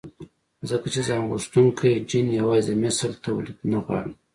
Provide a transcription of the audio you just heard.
ځکه چې ځانغوښتونکی جېن يوازې د مثل توليد نه غواړي.